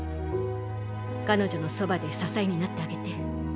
彼女のそばで支えになってあげて。